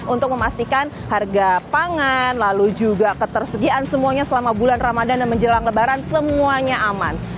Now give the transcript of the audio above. untuk memastikan harga pangan lalu juga ketersediaan semuanya selama bulan ramadan dan menjelang lebaran semuanya aman